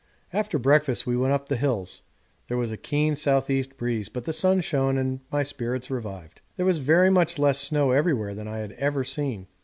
After breakfast we went up the hills; there was a keen S.E. breeze, but the sun shone and my spirits revived. There was very much less snow everywhere than I had ever seen.